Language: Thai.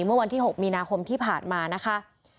เมื่อวันที่๖มีนาคมที่ผ่านมานะคะ